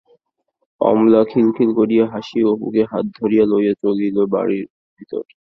অমলা খিলখিল করিয়া হাসিয়া অপুকে হাত ধরিয়া লইয়া চলিল বাড়ির ভিতর।